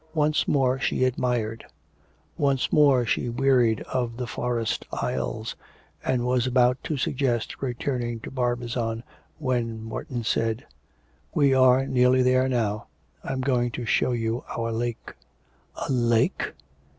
Once more she admired, once more she wearied of the forest aisles, and was about to suggest returning to Barbizon when Morton said: 'We are nearly there now; I'm going to show you our lake.' 'A lake!